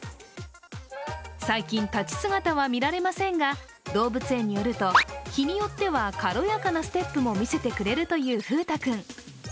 最近立ち姿は見られませんが動物園によると、日によっては軽やかなステップも見せてくれるという風太君。